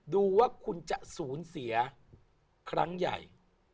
ดูว่าคุณจะสูญเสียครั้งใหญ่